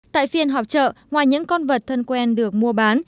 tại phiên họp chợ ngoài những con vật thân quen được mua bán